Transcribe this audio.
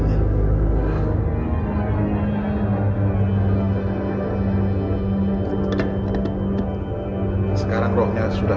operasikan tentu dan